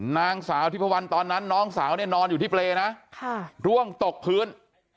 นางสาวทิพวันตอนนั้นน้องสาวเนี่ยนอนอยู่ที่เปรย์นะร่วงตกพื้น